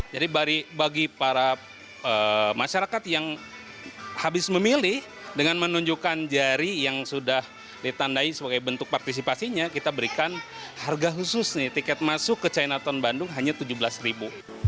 jadi bagi para masyarakat yang habis memilih dengan menunjukkan jari yang sudah ditandai sebagai bentuk partisipasinya kita berikan harga khusus nih tiket masuk ke chinatown bandung hanya rp tujuh belas